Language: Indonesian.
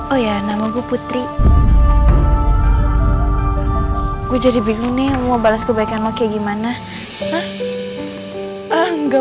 oh ya nama gue putri gue jadi bingung nih mau balas kebaikan mau kayak gimana